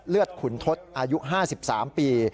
เลือดขุนทศอายุ๕๓ปี